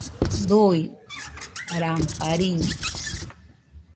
Dui ramparín